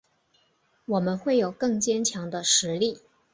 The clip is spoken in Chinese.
我们会有更坚强的实力